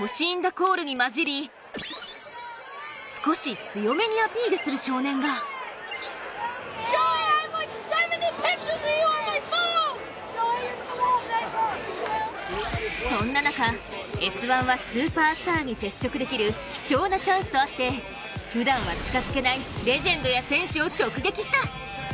コールにまじり、少し強めにアピールする少年がそんな中、「Ｓ☆１」はスーパースターに接触できる貴重なチャンスとあってふだんは近づけないレジェンドや選手を直撃した。